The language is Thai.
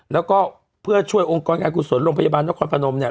แล้วก็เพื่อช่วยองค์กรการกุศลโรงพยาบาลนครพนมเนี่ย